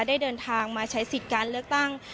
ได้เดินทางมาใช้สิทธิ์การเลือกตั้ง